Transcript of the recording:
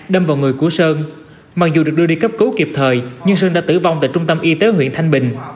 đâm vào người của sơn mặc dù được đưa đi cấp cứu kịp thời nhưng sơn đã tử vong tại trung tâm y tế huyện thanh bình